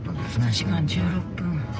１時間１６分。